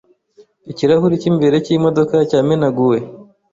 Ikirahuri cy'imbere cy'imodoka cyamenaguwe.